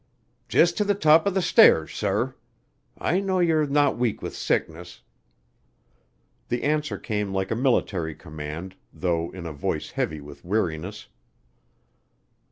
"Jist to th' top of the shtairs, sor. I know ye're thot weak with sickness " The answer came like a military command, though in a voice heavy with weariness.